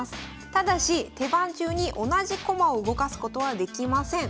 ただし手番中に同じ駒を動かすことはできません。